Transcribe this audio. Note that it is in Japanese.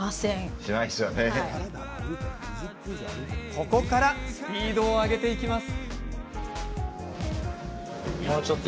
ここから、スピードを上げていきます。